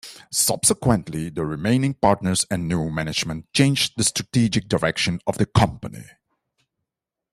Subsequently, the remaining partners and new management changed the strategic direction of the company.